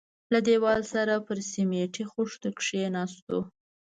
له دېواله سره پر سميټي خښتو کښېناستو.